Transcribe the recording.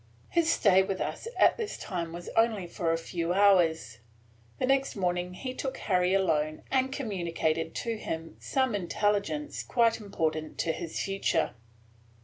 His stay with us at this time was only for a few hours. The next morning he took Harry alone and communicated to him some intelligence quite important to his future.